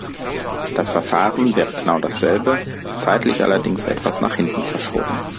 Das Verfahren wäre genau dasselbe, zeitlich allerdings etwas nach hinten verschoben.